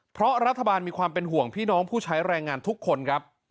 เพราะรัฐบาลมีความเป็นห่วงพี่น้องผู้ใช้แรงงานทุกคนครับ